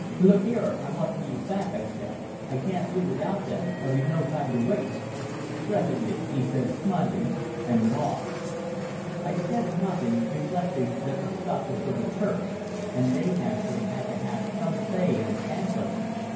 "Look here, I want these back," I said. "I can't do without them, and we've no time to waste." "Presently," he said, smiling, and went off. I said nothing, reflecting that the stuff was for the Turks and they naturally had to have some say in its handling.